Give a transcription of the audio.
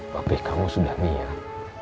papih kamu sudah niat